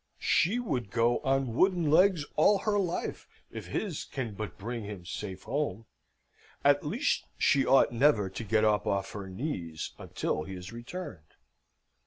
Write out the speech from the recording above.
She would go on wooden legs all her life, if his can but bring him safe home; at least, she ought never to get up off her knees until he is returned.